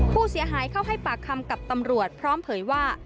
ผู้เสียหายเข้าให้ปากคำกับตำรวจพร้อมเผยว่า